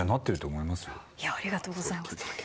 ありがとうございます。